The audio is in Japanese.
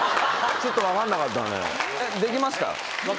ちょっと分かんなかったね。